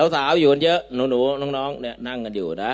สาวอยู่กันเยอะหนูน้องเนี่ยนั่งกันอยู่นะ